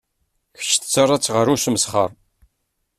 Kečč tettaraḍ-tt ɣer usmesxer.